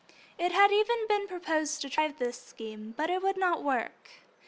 It had even been proposed to try the scheme, but it would not work.